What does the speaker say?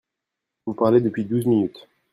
Vous parlez depuis douze minutes